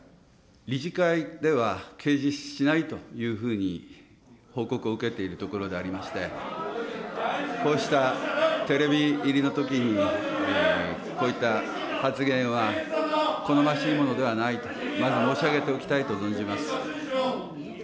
理事会では掲示しないというふうに報告を受けているところでありまして、こうしたテレビ入りのときに、こういった発言は好ましいものではないと、まず申し上げておきたいと存じます。